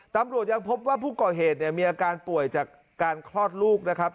ตำรวจยังพบว่าผู้ก่อเหตุเนี่ยมีอาการป่วยจากการคลอดลูกนะครับ